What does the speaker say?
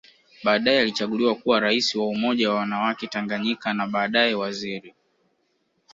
Baadae alichaguliwa kuwa Rais wa Umoja wa wanawake Tanganyika na baadae Waziri